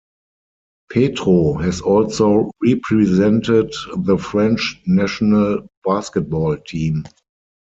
Petro has also represented the French national basketball team.